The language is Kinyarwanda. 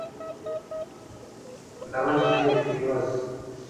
Nabajije ibibazo